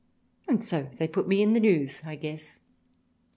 and so they put me in the News I guess."